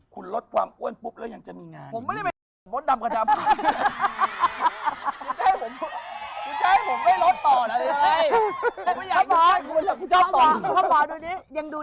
คุณลดความอ้วนพุกแล้วยังจะมีงานอยู่